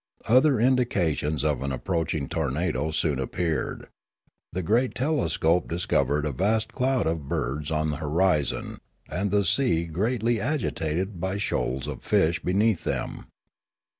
Other indications of an approaching tornado soon appeared. The great telescope discovered a vast cloud of birds on the horizon, and the sea greatly agitated by shoals of fish beneath them.